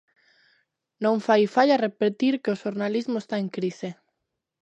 Non fai falla repetir que o xornalismo está en crise.